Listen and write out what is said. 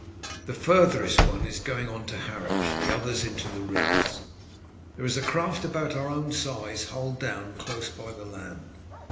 The farthest one is going on to Harwich, the others into the rivers. There is a craft about our own size hull down close by the land.